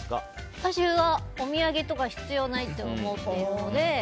私は、お土産とか必要ないと思っているので。